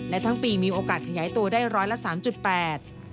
และทั้งปีมีโอกาสขยายตัวได้ร้อยละสามจุดแปด